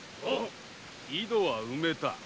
井戸は埋めた。